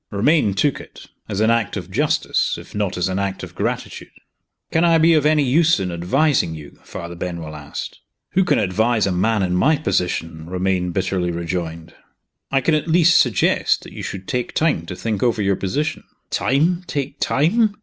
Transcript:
Romayne took it as an act of justice, if not as an act of gratitude. "Can I be of any use in advising you?" Father Benwell asked. "Who can advise a man in my position?" Romayne bitterly rejoined. "I can at least suggest that you should take time to think over your position." "Time? take time?